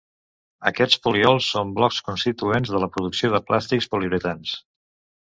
Aquests poliols són blocs constituents de la producció de plàstics poliuretans.